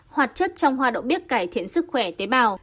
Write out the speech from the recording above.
hoạt chất trong hoa đậu bếp cải thiện sức khỏe tế bào